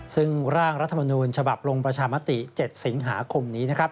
ซึ่งร่างรัฐมนูญฉบับลงประชามติ๗สิงหาคมนี้นะครับ